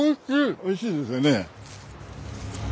おいしいですよね。